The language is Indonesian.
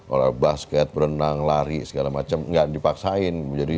oleh basket berenang lari segala macam nggak dipaksain